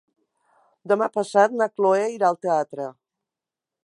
Demà passat na Cloè irà al teatre.